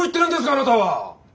あなたは！